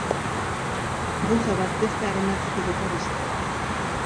Gauza bat bestearen atzetik etorri zen.